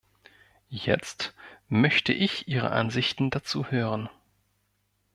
Jetzt möchte ich Ihre Ansichten dazu hören.